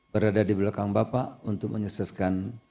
berada di belakang bapak untuk menyukseskan